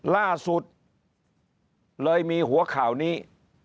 ล่าสุดเลยมีหัวข่าวนี้